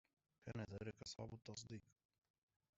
.كان ذلك صعب التصديق